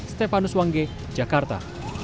stefanus wangge jakarta